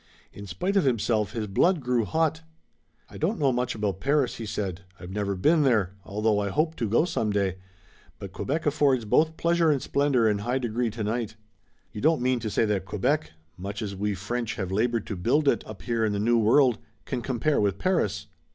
In spite of himself his blood grew hot. "I don't know much about Paris," he said. "I've never been there, although I hope to go some day, but Quebec affords both pleasure and splendor in high degree tonight." "You don't mean to say that Quebec, much as we French have labored to build it up here in the New World, can compare with Paris?"